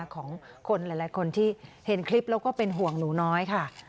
ของคนหลายคนที่เห็นคลิปแล้วก็เป็นห่วงหนูน้อยค่ะ